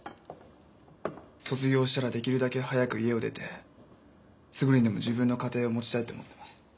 卒業したらできるだけ早く家を出てすぐにでも自分の家庭を持ちたいって思ってます。